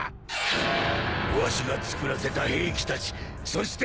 わしが作らせた兵器たちそして大量の弾薬。